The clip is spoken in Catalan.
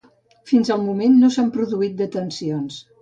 Fins al moment no s’han produït detencions.